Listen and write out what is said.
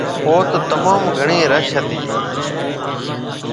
اوٿ تموم گھڻِي رش هِتي۔